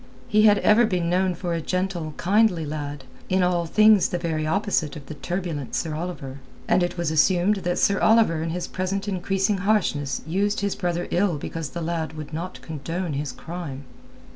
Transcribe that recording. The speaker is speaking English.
He had ever been known for a gentle, kindly lad, in all things the very opposite of the turbulent Sir Oliver, and it was assumed that Sir Oliver in his present increasing harshness used his brother ill because the lad would not condone his crime.